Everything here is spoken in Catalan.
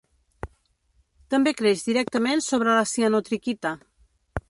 També creix directament sobre la cianotriquita.